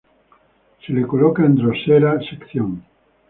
Se le coloca en "Drosera" secc.